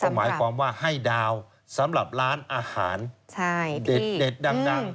หมายความว่าให้ดาวสำหรับร้านอาหารเด็ดดัง